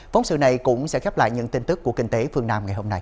phóng sự này cũng sẽ khép lại những tin tức của kinh tế phương nam ngày hôm nay